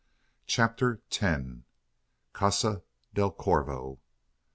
CHAPTER TEN. CASA DEL CORVO.